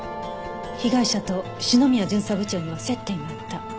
被害者と篠宮巡査部長には接点があった。